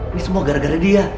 ini semua gara gara dia